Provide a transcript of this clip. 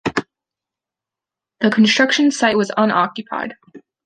The construction site was unoccupied.